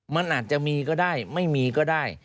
มันอาจจะมีก็ได้ไม่มีก็ได้